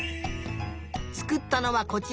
つくったのはこちら。